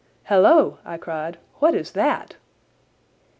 "Halloa!" I cried. "What is that?"